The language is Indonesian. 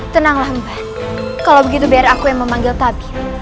tenanglah mban kalau begitu biar aku yang memanggil tabib